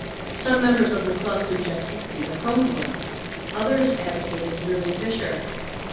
Some members of the club suggested Thea Kronborg, others advocated Lily Fisher.